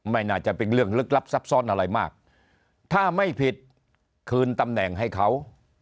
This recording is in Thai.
ไม่น่าจะเป็นเรื่องลึกลับซับซ้อนอะไรมากถ้าไม่ผิดคืนตำแหน่งให้เขา